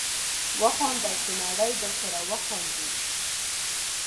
وخانده چې نړۍ درسره وخاندي